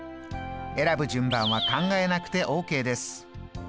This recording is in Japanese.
選ぶ順番は考えなくてＯＫです。